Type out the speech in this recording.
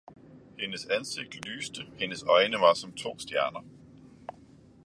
Hendes ansigt lyste, hendes øjne var som to stjerner.